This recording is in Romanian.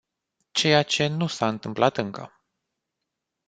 Ceea ce nu s-a întâmplat încă.